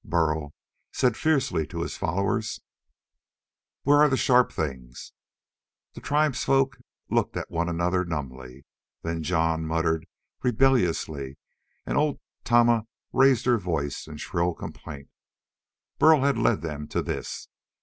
Burl said fiercely to his followers: "Where are the sharp things?" The tribesfolk looked at one another, numbly. Then Jon muttered rebelliously, and old Tama raised her voice in shrill complaint. Burl had led them to this!